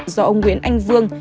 do ông nguyễn anh vương